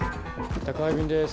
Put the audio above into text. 宅配便です。